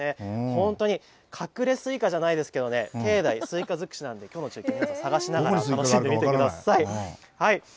本当に隠れスイカじゃないですけど、境内、スイカ尽くしなんで、きょうの中継、探しながら楽しんで見てください。